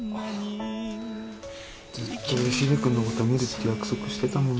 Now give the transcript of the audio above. ずっと佳秀君のこと診るって約束してたもん